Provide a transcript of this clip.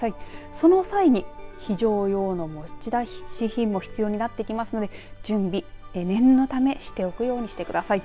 その際に非常用の持ち出し品も必要になってきますので準備、念のためしておくようにしてください。